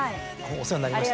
お世話になりました。